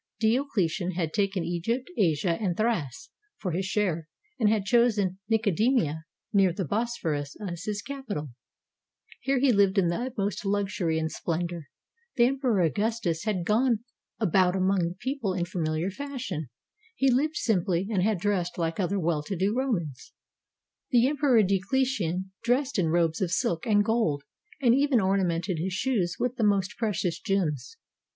Diocletian had taken Egypt, Asia, and Thrace for his share, and had chosen Nicomedia, near the Bosphorus, as his capital. Here he lived in the utmost luxury and splendor. The Emperor Augustus had gone about among the people in familiar fashion, had hved simply, and had dressed like other well to do Romans. The Emperor Diocletian dressed in robes of silk and gold, and even ornamented his shoes with the most precious gems.